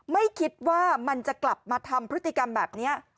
ไม่คิดว่ามันจะกลับมาทำพฤติกรรมแบบนี้